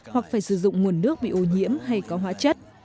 hoặc phải sử dụng nguồn nước bị ô nhiễm hay có hóa chất